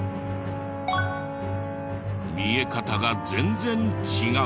見え方が全然違う。